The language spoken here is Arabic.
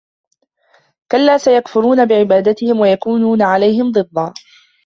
كلا سيكفرون بعبادتهم ويكونون عليهم ضدا